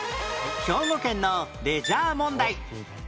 兵庫県のレジャー問題